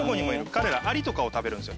彼らアリとかを食べるんですよ